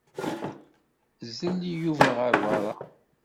Zelli Yuba ɣer beṛṛa.